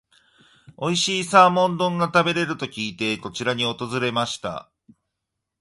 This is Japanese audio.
おいしいサーモン丼が食べれると聞いて、こちらに訪れました。